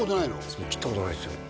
爪切ったことないんですよ